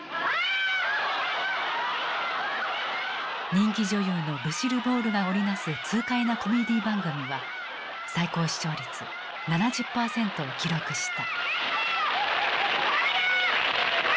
人気女優のルシル・ボールが織り成す痛快なコメディー番組は最高視聴率７０％を記録した。